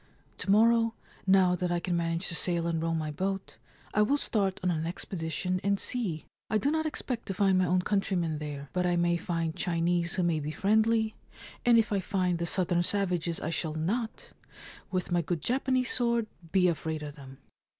To morrow, now that I can manage to sail and row my boat, I will start on an expedition and see. I do not expect to find my own countrymen there ; but I may find Chinese who may be friendly, and if I find the southern savages I shall not, with my good Japanese sword, be afraid of them